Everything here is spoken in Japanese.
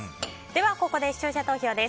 ここで、視聴者投票です。